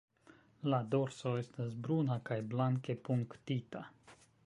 La dorso estas bruna kaj blanke punktita.